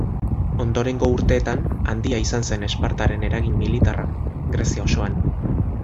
Ondorengo urteetan, handia izan zen Espartaren eragin militarra Grezia osoan.